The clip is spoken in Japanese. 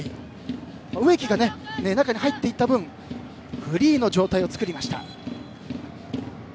植木が中に入った分フリーの状態を作りました。